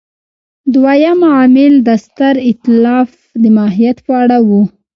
دویم عامل د ستر اېتلاف د ماهیت په اړه و.